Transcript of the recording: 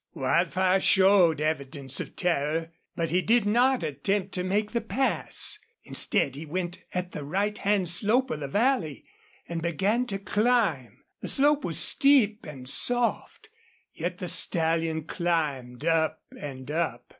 Wildfire showed evidence of terror, but he did not attempt to make the pass. Instead he went at the right hand slope of the valley and began to climb. The slope was steep and soft, yet the stallion climbed up and up.